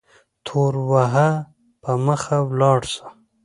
تور وهه په مخه ولاړ سه